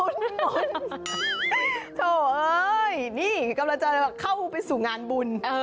โถเอ้ยนี่กำลังจะเข้าไปสู่งานบุญ